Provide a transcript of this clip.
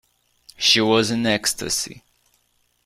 She was in ecstasy.